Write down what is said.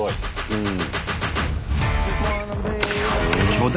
うん。